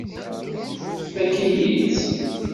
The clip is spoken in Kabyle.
Tfakk-iyi-tt.